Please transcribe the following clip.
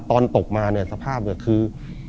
ตอนตกมาเนี่ยสภาพนี่คือ